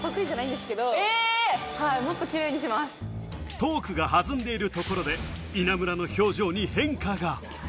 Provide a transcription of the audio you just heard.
トークが弾んでいるところで稲村の表情に変化が。